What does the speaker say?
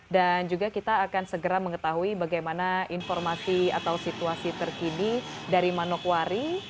dan juga kita akan segera mengetahui bagaimana informasi atau situasi terkini dari manokwari